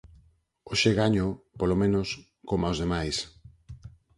Hoxe gáñoo, polo menos, coma os demais.